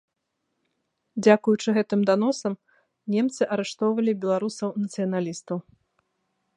Дзякуючы гэтым даносам, немцы арыштоўвалі беларусаў-нацыяналістаў.